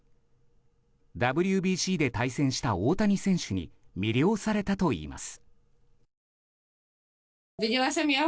ＷＢＣで対戦した大谷選手に魅了されたといいます。